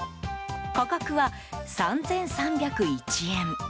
価格は３３０１円。